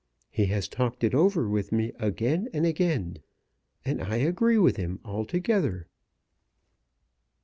He has talked it over with me again and again, and I agree with him altogether."